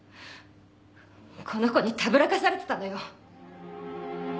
この子にたぶらかされてたのよ。